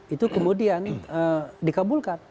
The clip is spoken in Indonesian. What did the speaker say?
itu kemudian dikabulkan